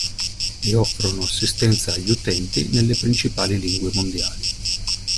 E offrono assistenza agli utenti nelle principali lingue mondiali.